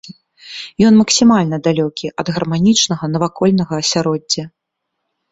Ён максімальна далёкі ад гарманічнага навакольнага асяроддзя.